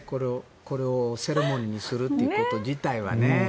これをセレモニーにするということ自体がね。